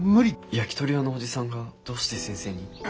焼きとり屋のおじさんがどうして先生に？